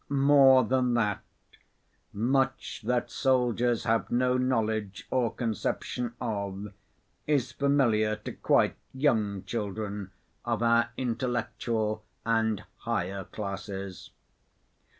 More than that, much that soldiers have no knowledge or conception of is familiar to quite young children of our intellectual and higher classes.